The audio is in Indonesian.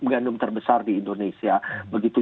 gandum terbesar di indonesia begitu